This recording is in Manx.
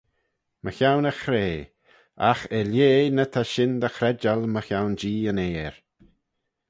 Mychione y Chrea; agh er lheh ny ta shin dy chredjal mychione Jee yn Ayr.